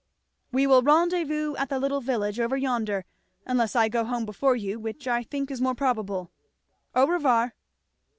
We will rendezvous at the little village over yonder, unless I go home before you, which I think is more probable. Au revoir!"